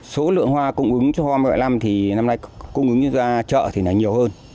số lượng hoa cung ứng cho hoa mẹ lăm thì năm nay cung ứng ra chợ thì nó nhiều hơn